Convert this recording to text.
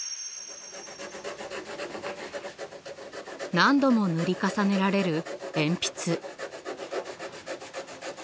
何度も塗り重ねられる鉛筆。